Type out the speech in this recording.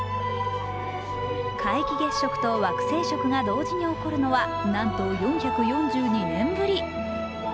皆既月食と惑星食が同時に起こるのはなんと４４２年ぶり。